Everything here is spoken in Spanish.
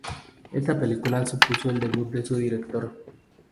Esta película supuso el debut de su director.